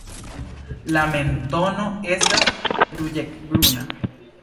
La mentono estas ruĝecbruna.